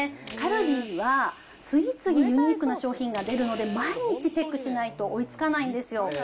カルディは次々ユニークな商品が出るので、毎日チェックしないと追いつかないんですよ。